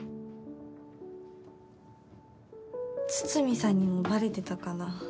筒見さんにもバレてたかな。